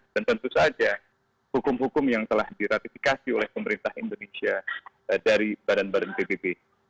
dan tentu saja hukum hukum yang telah diratifikasi oleh pemerintah indonesia dari badan badan tpp